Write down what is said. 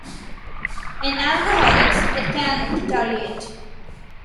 In alcoholics, it can deteriorate.